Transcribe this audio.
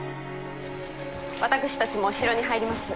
私たちも城に入ります。